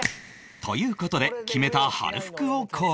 という事で決めた春服を購入